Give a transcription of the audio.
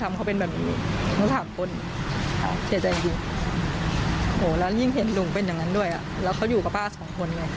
และยิ่งเห็นหลุงเป็นอย่างนั้นด้วยและเขาอยู่กับป้า๒คนเลย